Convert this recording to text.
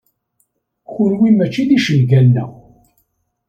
Kenwi mačči d icenga-nneɣ.